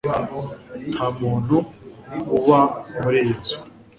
Nta muntu uba muri iyi nzu